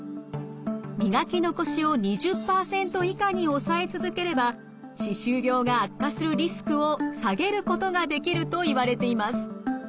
磨き残しを２０％以下に抑え続ければ歯周病が悪化するリスクを下げることができるといわれています。